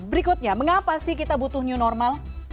berikutnya mengapa sih kita butuh new normal